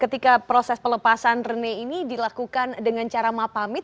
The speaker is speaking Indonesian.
ketika proses pelepasan rene ini dilakukan dengan cara mapamit